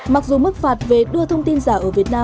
mặc dù mức phạt về đưa thông tin giả ở việt nam